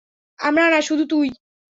আমরা না, শুধু তুই।